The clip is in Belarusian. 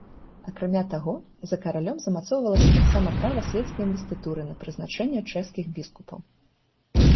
Акрамя таго, за каралём замацоўвалася таксама права свецкай інвестытуры на прызначэнне чэшскіх біскупаў.